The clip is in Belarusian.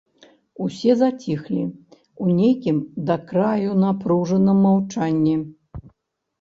Усе заціхлі ў нейкім да краю напружаным маўчанні.